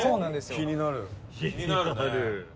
気になるね。